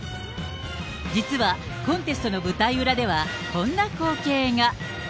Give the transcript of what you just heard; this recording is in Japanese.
実はコンテストの舞台裏では、こんな光景が。